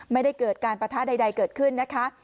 ไม่ได้เกิดการปะทะใดเกิดขึ้นนะคะ